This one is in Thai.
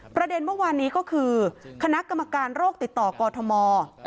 ประเด็นเมื่อวานนี้ก็คือคณะกรรมการโรคติดต่อกอทม